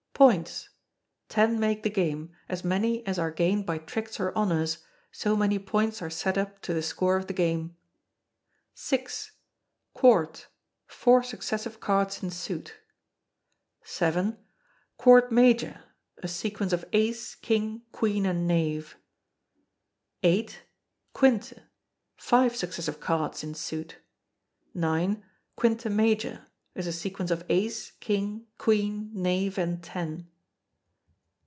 Points, Ten make the game; as many as are gained by tricks or honours, so many points are set up to the score of the game. vi. Quarte, four successive cards in suit. vii. Quarte Major, a sequence of ace, king, queen, and knave. viii. Quinte, five successive cards in suit. ix. Quinte Major, is a sequence of ace, king, queen, knave, and ten.